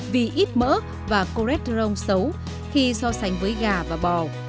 vì ít mỡ và coret rong xấu khi so sánh với gà và bò